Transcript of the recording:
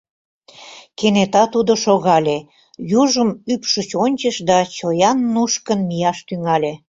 Кенета тудо шогале, южым ӱпшыч ончыш да чоян нушкын мияш тӱҥале.